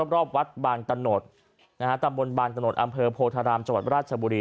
รอบวัดบางตะโนดตำบลบางตะโนดอำเภอโพธารามจังหวัดราชบุรี